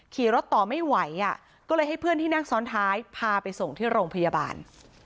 ขี่รถต่อไม่ไหวอ่ะก็เลยให้เพื่อนที่นั่งซ้อนท้ายพาไปส่งที่โรงพยาบาล